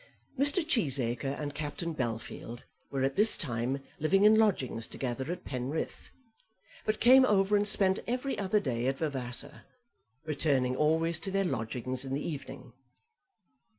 Mr. Cheesacre and Captain Bellfield were at this time living in lodgings together, at Penrith, but came over and spent every other day at Vavasor, returning always to their lodgings in the evening.